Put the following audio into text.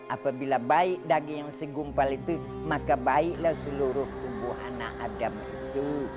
apabila baik daging yang segumpal itu maka baiklah seluruh tubuh anak adam itu